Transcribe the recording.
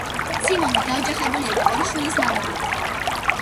სიმონი დაოჯახებულია და ორი შვილის მამაა.